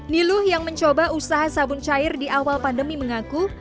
niluh yang mencoba usaha sabun cair di awal pandemi mengaku